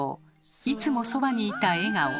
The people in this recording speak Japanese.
いつもそばにいた笑顔。